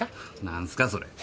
何すかそれ？